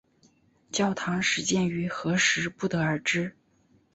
教堂始建于何时不得而知。